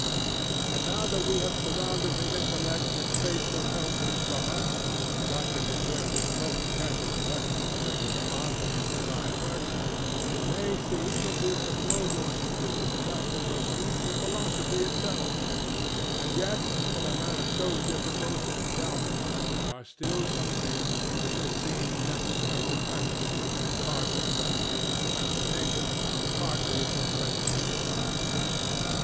And now that we have surrounded the intellect with faithful helps and guards, and got together with most careful selection a regular army of divine works, it may seem that we have no more to do but to proceed to philosophy itself. And yet in a matter so difficult and doubtful there are still some things which it seems necessary to premise, partly for convenience of explanation, partly for present use.